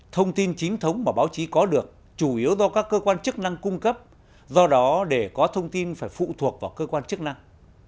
thông tin chính thống mà báo chí có được chủ yếu do các cơ quan chức năng cung cấp do đó để có thông tin phải phụ thuộc vào cơ quan chức năng